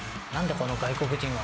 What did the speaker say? この外国人は？